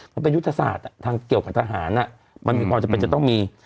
มันเป็นยุทธศาสตร์ทางเกี่ยวกับทหารมันมีความจำเป็นจะต้องมี